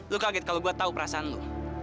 lu kaget kalau gue tau perasaan lu